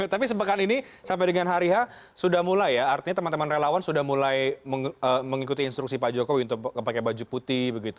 tapi sepekan ini sampai dengan hari h sudah mulai ya artinya teman teman relawan sudah mulai mengikuti instruksi pak jokowi untuk pakai baju putih begitu